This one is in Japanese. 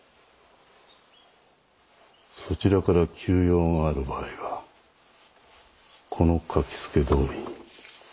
そちらから急用がある場合はこの書き付けどおりに。